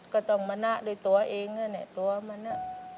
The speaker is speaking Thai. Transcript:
ก็ต้องมณะโดยตัวเองนะเนี่ยตัวมณะ